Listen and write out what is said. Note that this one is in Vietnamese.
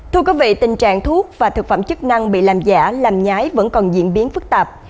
thưa quý vị tình trạng thuốc và thực phẩm chức năng bị làm giả làm nhái vẫn còn diễn biến phức tạp